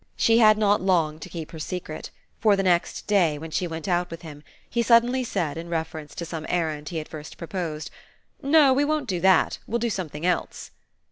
She had not long to keep her secret, for the next day, when she went out with him, he suddenly said in reference to some errand he had first proposed: "No, we won't do that we'll do something else."